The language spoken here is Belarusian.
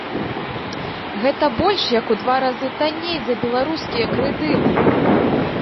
Гэта больш як у два разы танней за беларускія крэдыты!